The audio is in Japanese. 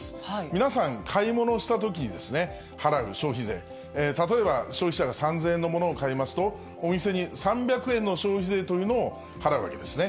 皆さん、買い物をしたときにですね、払う消費税、例えば消費者が３０００円のものを買いますと、お店に３００円の消費税というのを払うわけですね。